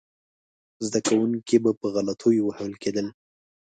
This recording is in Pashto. زده کوونکي به په غلطیو وهل کېدل.